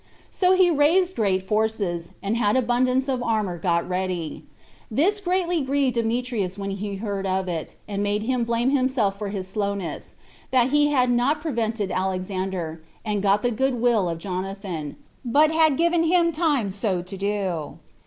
So he raised great forces, and had abundance of armor got ready. This greatly grieved Demetrius when he heard of it, and made him blame himself for his slowness, that he had not prevented Alexander, and got the good will of Jonathan, but had given him time so to do.